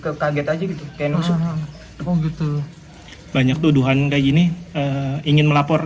ke kaget aja gitu kayak langsung gitu banyak duduhan kayak gini ingin melapor